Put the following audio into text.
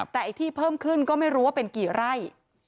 แต่ไอ้ที่เพิ่มขึ้นก็ไม่รู้ว่าเป็นกี่ไร่